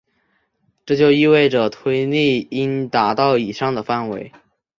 这就意味着推力应达到以上的范围。